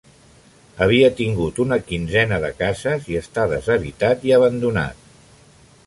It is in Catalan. Havia tingut una quinzena de cases i està deshabitat i abandonat.